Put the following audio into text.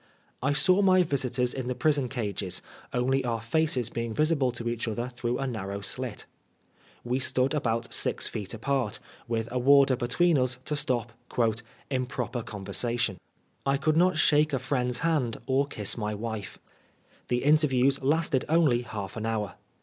I saw my visitors in the prison cages, only our faces being visible to each other through a narrow slit. We «tood about six feet apart, with a warder between ns to stop '^ improper conversation." I could not shake a friend's hand or kiss my wife. The interviews lasted only half an hour.